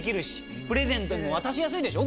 プレゼントにも渡しやすいでしょ